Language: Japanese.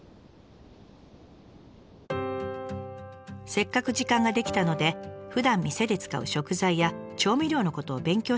せっかく時間が出来たのでふだん店で使う食材や調味料のことを勉強してみることに。